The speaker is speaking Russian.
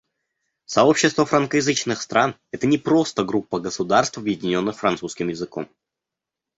Сообщество франкоязычных стран — это не просто группа государств, объединенных французским языком.